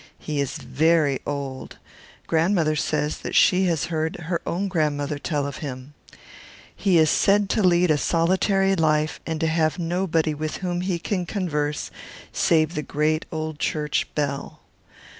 He is very old. Grandmother says that she has heard her own grandmother tell of him; he is said to lead a solitary life, and to have nobody with whom he can converse save the great old church Bell.